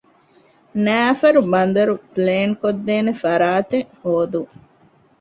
ނައިފަރު ބަނދަރު ޕްލޭންކޮށްދޭނެ ފަރާތެއް ހޯދުން